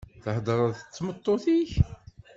Theḍṛeḍ d tmeṭṭut-ik?